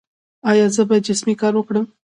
ایا زه باید جسمي کار وکړم؟